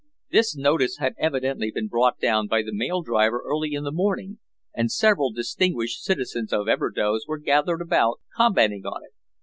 This notice had evidently been brought down by the mail driver early in the morning and several distinguished citizens of Everdoze were gathered about commenting on it.